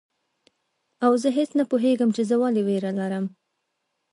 او زه هیڅ نه پوهیږم چي زه ولي ویره لرم